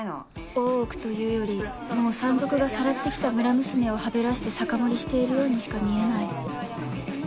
大奥というよりもう山賊がさらって来た村娘をはべらして酒盛りしているようにしか見えない